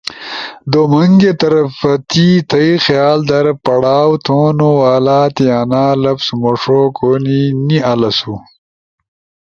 دومونگی طرفتی، تھئی خیال در پڑاؤ تھونو والا تی انا لفظ مݜو کونی نیالسو،